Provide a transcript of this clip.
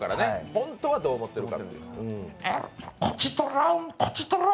本当はどう思ってるか。